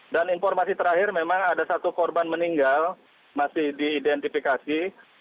dan informasi terakhir memang ada satu korban meninggal masih diidentifikasi